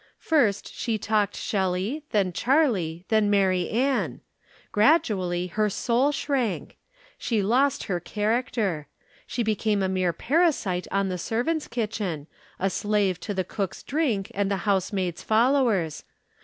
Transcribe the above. First she talked Shelley, then Charley, then Mary Ann. Gradually her soul shrank. She lost her character. She became a mere parasite on the servant's kitchen, a slave to the cook's drink and the housemaid's followers.